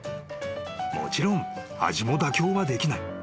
［もちろん味も妥協はできない］